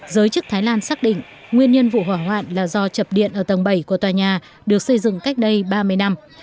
giới chức thái lan xác định nguyên nhân vụ hỏa hoạn là do chập điện ở tầng bảy của tòa nhà được xây dựng cách đây ba mươi năm